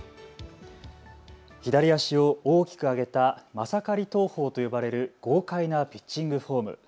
左足を大きく上げたマサカリ投法と呼ばれる豪快なピッチングフォーム。